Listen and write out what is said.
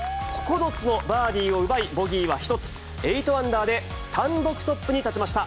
９つのバーディーを奪い、ボギーは１つ、８アンダーで単独トップに立ちました。